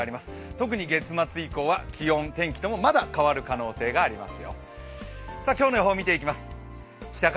特に月末以降は天気、気温ともにまだ変わる可能性があります。